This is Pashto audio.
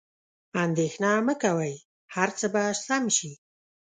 اندیښنه مه کوئ، هر څه به سم شي.